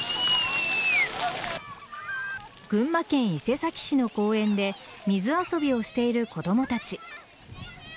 群馬県伊勢崎市の公園で水遊びをしている子供たち。